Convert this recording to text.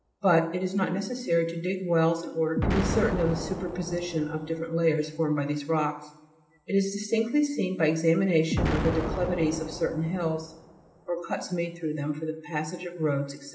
13. But it is not necessary to dig wells in order to be certain of the superposition of the different layers formed by these rocks ; it is distinctly seen by examination of the declivities of certain hills, or cuts made through them for the passage of roads, &c.